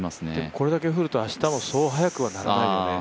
これだけ降ると明日もそう速くはならないよね？